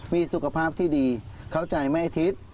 มีสุขภาพที่ดีเข้าใจไม่อาทิตย์